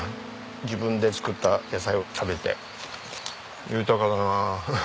自分で作った野菜を食べて豊かだなあ。